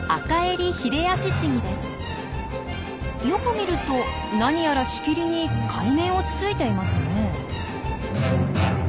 よく見ると何やらしきりに海面をつついていますね。